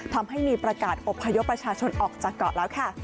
ทำให้มีประกาศอบพยพประชาชนออกจากเกาะแล้วค่ะ